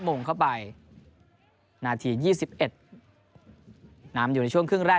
มงเข้าไปนาทียี่สิบเอ็ดนำอยู่ในช่วงครึ่งแรก